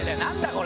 これ。